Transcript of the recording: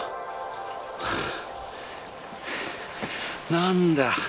何だ！